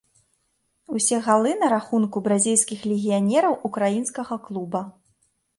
Усе галы на рахунку бразільскіх легіянераў украінскага клуба.